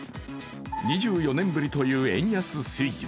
２４年ぶりという円安水準